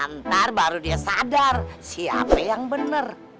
ntar baru dia sadar siapa yang benar